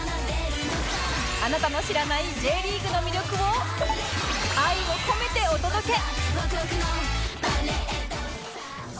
あなたの知らない Ｊ リーグの魅力を愛を込めてお届け！